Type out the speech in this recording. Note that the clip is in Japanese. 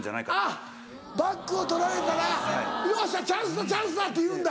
あっバックを取られたら「よっしゃチャンスだチャンスだ」って言うんだ。